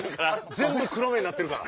全部黒目になってるから。